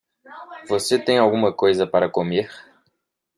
Você tem alguma coisa para comer?